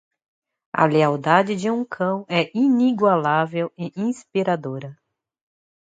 A lealdade de um cão é inigualável e inspiradora.